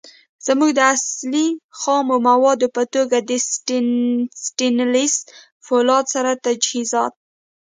زمونږ د اصلی. خامو موادو په توګه د ستينليس فولادو سره تجهیزات